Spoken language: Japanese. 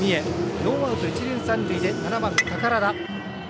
ノーアウト、一塁三塁で７番の寳田。